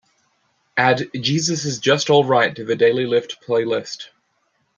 Add jesus is just alright to the Daily Lift playlist.